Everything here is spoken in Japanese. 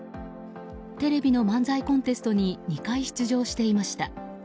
テレビの漫才コンテストに２回出場していました。